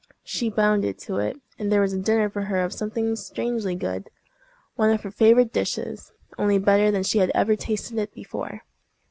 She bounded to it, and there was a dinner for her of something strangely good—one of her favorite dishes, only better than she had ever tasted it before.